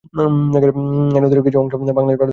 এ নদীর কিছু অংশ বাংলাদেশ-ভারত প্রটোকল রুটের অন্তর্গত।